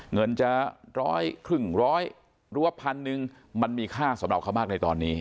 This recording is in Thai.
เงินจะร้อยครึ่งร้อยหรือว่าพันหนึ่งมันมีค่าสำหรับเขามากในตอนนี้